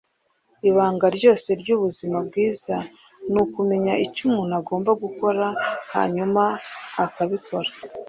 Ibanga ryose ry'ubuzima bwiza ni ukumenya icyo umuntu agomba gukora, hanyuma akabikora.”